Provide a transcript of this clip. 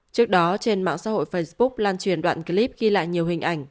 trước đó trên mạng xã hội facebook lan truyền đoạn clip ghi lại nhiều hình ảnh